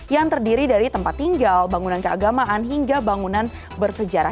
yang terdiri dari tempat tinggal bangunan keagamaan hingga bangunan bersejarah